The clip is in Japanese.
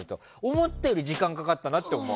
思ったより時間かかったなって思う。